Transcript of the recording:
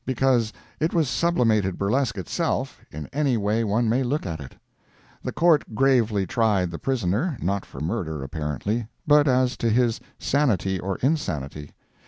Because it was sublimated burlesque itself, in any way one may look at it. The court gravely tried the prisoner, not for murder, apparently, but as to his sanity or insanity.